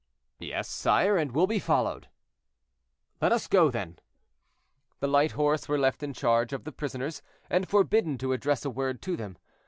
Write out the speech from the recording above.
"Yes, sire, and will be followed." "Let us go, then!" The light horse were left in charge of the prisoners, and forbidden to address a word to them.